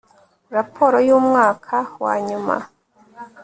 raporo y umwaka wa nyuma